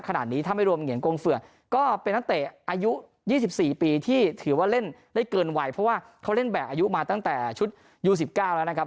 ขนาดนี้ถ้าไม่รวมเหงียงกงเฝือกก็เป็นนักเตะอายุ๒๔ปีที่ถือว่าเล่นได้เกินวัยเพราะว่าเขาเล่นแบบอายุมาตั้งแต่ชุดยู๑๙แล้วนะครับ